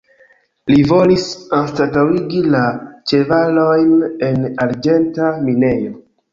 Li volis anstataŭigi la ĉevalojn en arĝenta minejo.